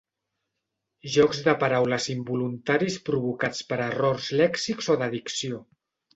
Jocs de paraules involuntaris provocats per errors lèxics o de dicció.